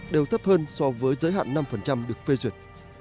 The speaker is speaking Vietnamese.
đều thấp hơn so với giới hạn năm được phê duyệt